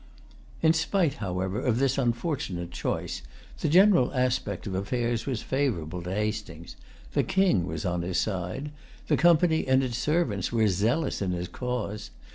In spite, however, of this unfortunate choice, the general aspect of affairs was favorable to Hastings. The King was on his side. The Company and its servants were zealous in his cause.